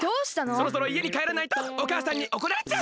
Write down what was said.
そろそろいえにかえらないとおかあさんにおこられちゃう！